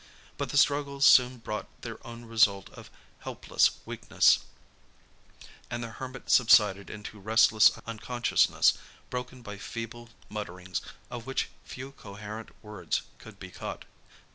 But the struggles soon brought their own result of helpless weakness, and the Hermit subsided into restless unconsciousness, broken by feeble mutterings, of which few coherent words could be caught.